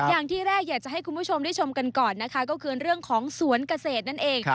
อย่างที่แรกอยากจะให้คุณผู้ชมได้ชมกันก่อนนะคะก็คือเรื่องของสวนเกษตรนั่นเอง